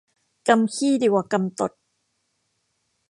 กำขี้ดีกว่ากำตด